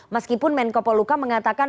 meskipun menko poluka mengatakan